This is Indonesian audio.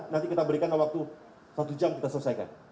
nanti kita berikan waktu satu jam kita selesaikan